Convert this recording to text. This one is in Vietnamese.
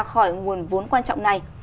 khỏi nguồn vốn quan trọng này